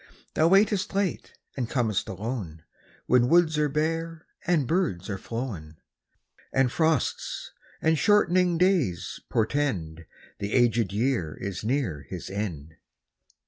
Thou waitest late and com'st alone, When woods are bare and birds are flown, And frosts and shortening days portend The aged year is near his end.